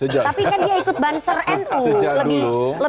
tapi kan dia ikut banser nu